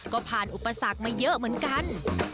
ก็ผ่านอุปสรรคมาเยอะเหมือนกัน